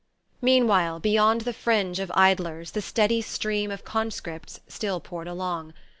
Meanwhile, beyond the fringe of idlers the steady stream of conscripts still poured along.